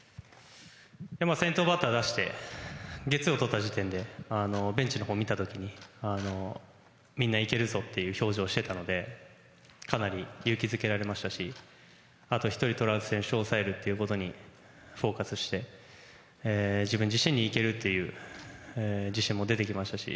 先頭バッターを出してゲッツーをとった時点でベンチを見た時にみんないけるぞっていう表情をしてたのでかなり勇気づけられましたしあと１人、トラウト選手を抑えることにフォーカスして自分自身にいけるという自信も出てきましたし